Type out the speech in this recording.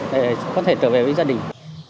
để có thể trở về với gia đình